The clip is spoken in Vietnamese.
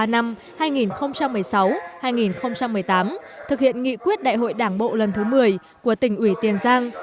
ba năm hai nghìn một mươi sáu hai nghìn một mươi tám thực hiện nghị quyết đại hội đảng bộ lần thứ một mươi của tỉnh ủy tiền giang